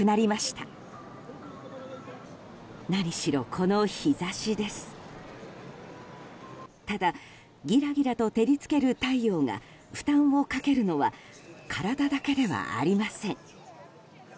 ただ、ギラギラと照り付ける太陽が負担をかけるのは体だけではありません。